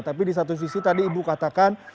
tapi di satu sisi tadi ibu katakan